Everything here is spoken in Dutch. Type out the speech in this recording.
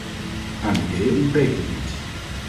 Aan ideeën ontbreekt het niet.